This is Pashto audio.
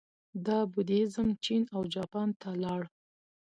دا بودیزم چین او جاپان ته لاړ